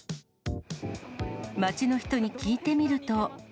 街の人に聞いてみると。